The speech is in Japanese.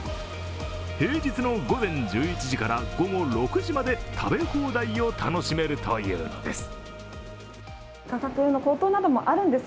平日の午前１１時から午後６時まで食べ放題を楽しめるというのです。